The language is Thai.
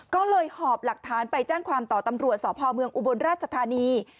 ก็เลยหอบหลักฐานไปแจ้งความต่อตำรวจสพเมืองอุบลราชธานี